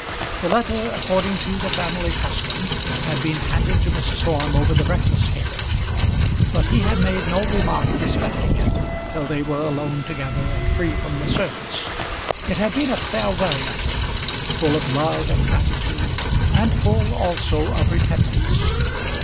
The letter, according to the family custom, had been handed to Mrs. Orme over the breakfast table; but he had made no remark respecting it till they were alone together and free from the servants. It had been a farewell letter, full of love and gratitude, and full also of repentance.